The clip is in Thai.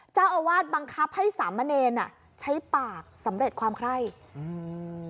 เจ้าอาวาสบังคับให้สามเณรอ่ะใช้ปากสำเร็จความไคร้อืม